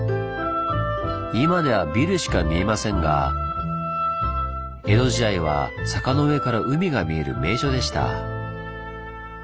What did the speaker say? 今ではビルしか見えませんが江戸時代は坂の上から海が見える名所でした。